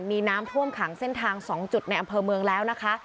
มีน้ำท่วมขังเส้นทาง๒จุดในอำเภอเมืองแล้วนะคะ